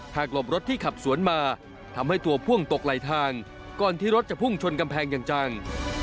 หลบรถที่ขับสวนมาทำให้ตัวพ่วงตกไหลทางก่อนที่รถจะพุ่งชนกำแพงอย่างจัง